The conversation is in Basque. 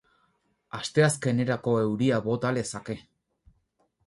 Asteazkenerako euria bota lezake.